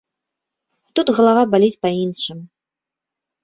Тут галава баліць па іншым.